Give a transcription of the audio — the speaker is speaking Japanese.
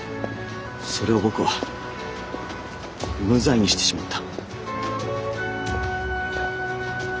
それを僕は無罪にしてしまった。